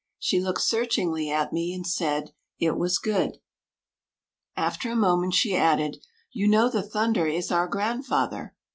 She looked searchingly at me and said, "It was good." After a moment she added, "You know the thunder is our grandfather?"